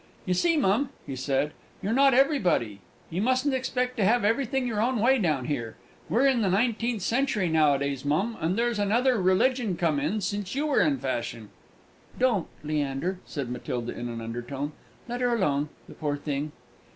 "You see, mum," he said, "you're not everybody. You mustn't expect to have everything your own way down here. We're in the nineteenth century nowadays, mum, and there's another religion come in since you were the fashion!" "Don't, Leander!" said Matilda, in an undertone; "let her alone, the poor thing!"